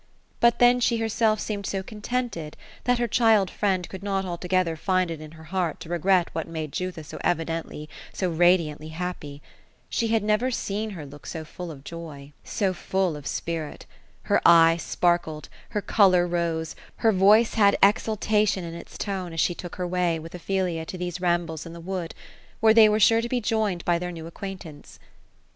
But then she herself seemed so contented, that her child friend ?ould not altogether find in her heart to regret what luade Jutha so evi dently, so radiantly happy. She had never seen her look so full of joy, 2f2 OPHELIA ; 80 full of spirit. Her eye sparkled, her oolor rose, her voice had exul tation in its tone, as she took her way, with Ophelia, to these rambles in the wood — where they were sure to be joined by their new ac *' quaintanco.